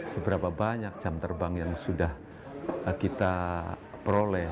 seberapa banyak jam terbang yang sudah kita peroleh